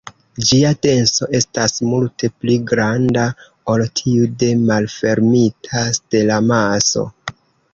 Ĝia denso estas multe pli granda ol tiu de malfermita stelamaso.